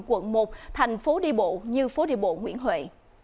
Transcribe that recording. quận một thành phố đi bộ như phố đi bộ nguyễn huệ